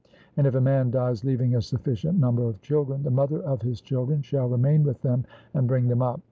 And if a man dies leaving a sufficient number of children, the mother of his children shall remain with them and bring them up.